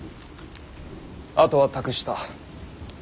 あとは託した。